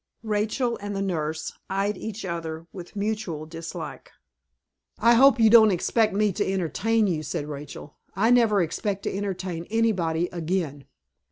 Rachel and the nurse eyed each other with mutual dislike. "I hope you don't expect me to entertain you," said Rachel. "I never expect to entertain anybody again.